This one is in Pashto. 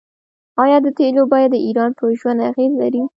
آیا د تیلو بیه د ایران په ژوند اغیز نلري؟